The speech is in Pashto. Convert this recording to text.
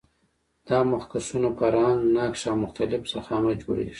دا مخکشونه په رنګ، نقش او مختلف ضخامت جوړیږي.